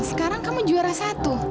sekarang kamu juara satu